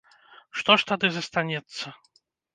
Што ж тады застанецца?